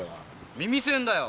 耳栓だよ。